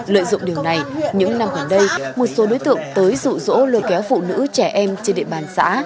lợi dụng điều này những năm gần đây một số đối tượng tới rụ rỗ lôi kéo phụ nữ trẻ em trên địa bàn xã